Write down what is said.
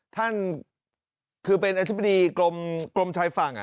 ท่านคือเป็นอธิบดีกรมชายฝั่ง